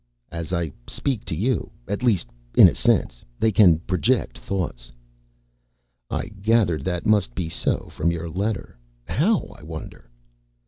"As I speak to you. At least, in a sense. They can project thoughts." "I gathered that must be so from your letter. How, I wonder."